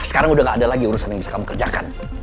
sekarang udah gak ada lagi urusan yang bisa kamu kerjakan